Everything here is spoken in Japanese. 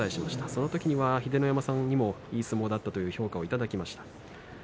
その時には秀ノ山さんにも、いい相撲だったという評価をいただきました。